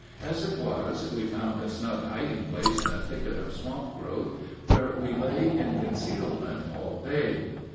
As it was, we found a snug hiding place in a thicket of swamp growth, where we lay in concealment all day.